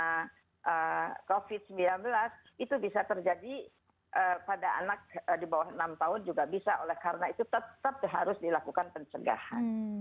karena covid sembilan belas itu bisa terjadi pada anak di bawah enam tahun juga bisa karena itu tetap harus dilakukan pencegahan